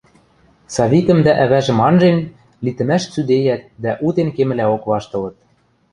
Савикӹм дӓ ӓвӓжӹм анжен, литӹмӓш цӱдейӓт дӓ утен кемӹлӓок ваштылыт.